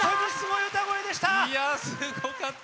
いやすごかった！